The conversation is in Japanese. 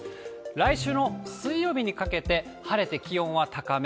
来週の水曜日にかけて、晴れて気温が高め。